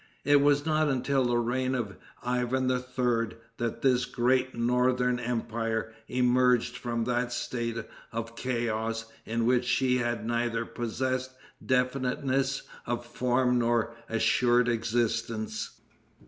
It was not until the reign of Ivan III. that this great northern empire emerged from that state of chaos in which she had neither possessed definiteness of form nor assured existence.